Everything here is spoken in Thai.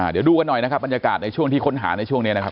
เดี๋ยวดูกันหน่อยนะครับบรรยากาศในช่วงที่ค้นหาในช่วงนี้นะครับ